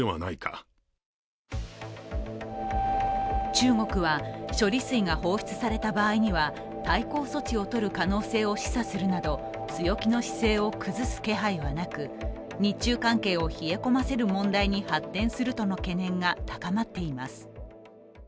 中国は、処理水が放出された場合には対抗措置をとる可能性を示唆するなど強気の姿勢を崩す気配はなく日中関係を冷え込ませる問題に発展するとの懸念が高まっています。